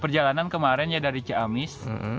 perjalanan kemarin ya dari ciamis